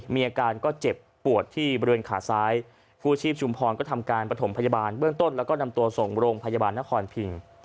มีอาการก็เจ็บปวดที่บริเวณขาซ้ายกู้ชีพชุมพรก็ทำการประถมพยาบาลเบื้องต้นแล้วก็นำตัวส่งโรงพยาบาลนครพิง